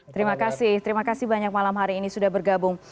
terima kasih banyak malam hari ini sudah bergabung